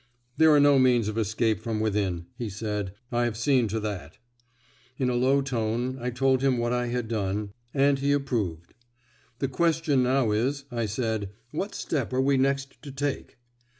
"There are no means of escape from within," he said. "I have seen to that." In a low tone I told him what I had done, and he approved. "The question now is," I said, "what step are we next to take?"